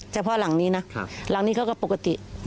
เฉพาะหลังนี้นะหลังนี้เขาก็ปกติ